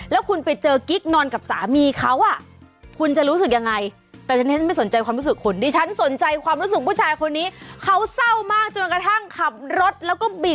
เล่นเครื่องมาอย่างนี้เลยเหรอโมโหไง